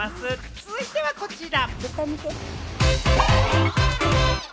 続いてはこちら。